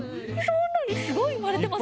すごい生まれてません？